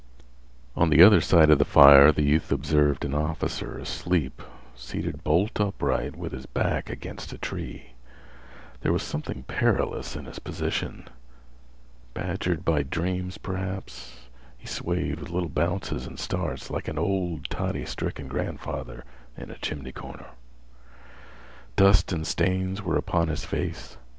On the other side of the fire the youth observed an officer asleep, seated bolt upright, with his back against a tree. There was something perilous in his position. Badgered by dreams, perhaps, he swayed with little bounces and starts, like an old, toddy stricken grandfather in a chimney corner. Dust and stains were upon his face.